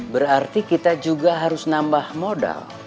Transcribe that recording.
berarti kita juga harus nambah modal